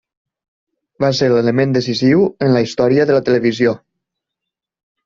Va ser l'element decisiu en la història de la televisió.